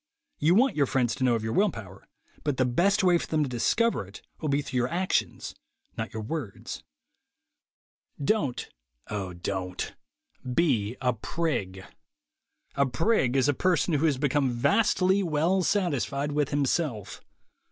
You want your friends to know of your will power, but the best way for them to discover it will be through your actions, not your words. Don't, (O Don't) be a prig. A prig is a person who has become vastly well satisfied with himself.